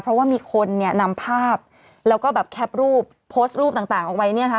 เพราะว่ามีคนนำภาพแล้วก็แคปรูปโพสต์รูปต่างออกไว้